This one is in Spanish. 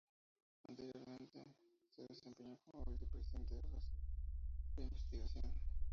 Anteriormente, se desempeñó como vicepresidente asociado de investigación.